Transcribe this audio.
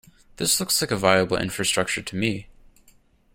This looks like a viable infrastructure to me.